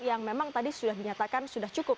yang memang tadi sudah dinyatakan sudah cukup